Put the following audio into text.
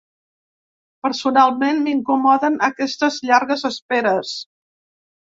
Personalment m’incomoden aquestes llargues esperes.